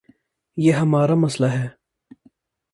یہ ہمار امسئلہ ہے۔